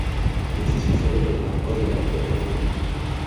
Esto es usado en el campo de la proteómica